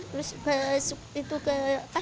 terus masuk ke